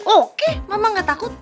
oke mama ga takut